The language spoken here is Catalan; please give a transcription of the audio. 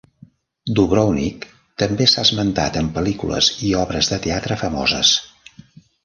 Dubrovnik també s'ha esmentat en pel·lícules i obres de teatre famoses.